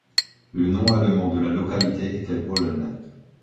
Le nom allemand de la localité était Bohlen.